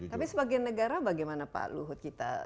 tapi sebagai negara bagaimana pak luhut kita